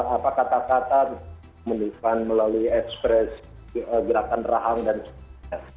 apa kata kata menemukan melalui ekspresi gerakan rahang dan sebagainya